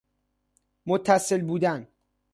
متصل بودن